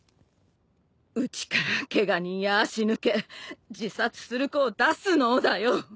うちからケガ人や足抜け自殺する子を出すのをだよ。